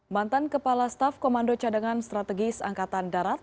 mantan kepala staf komando cadangan strategis angkatan darat